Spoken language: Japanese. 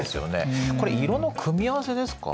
これ色の組み合わせですか？